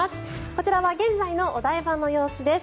こちらは現在のお台場の様子です。